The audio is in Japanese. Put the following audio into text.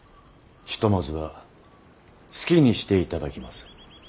ひとまずは好きにしていただきます。